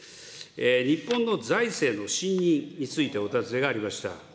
日本の財政の信認についてお尋ねがありました。